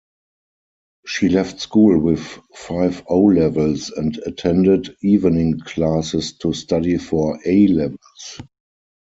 She left school with five O-levels and attended evening classes to study for A-levels.